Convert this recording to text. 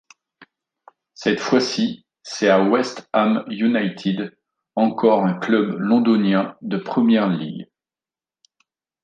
Cette fois-ci, c'est à West Ham United, encore un club londonien de Premier League.